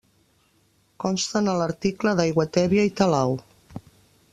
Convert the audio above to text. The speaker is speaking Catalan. Consten a l'article d'Aiguatèbia i Talau.